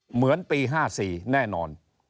เหมือนปี๕๔แน่นอน